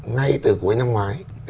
ngay từ cuối năm ngoái